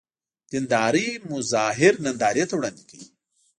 دیندارۍ مظاهر نندارې ته وړاندې کوي.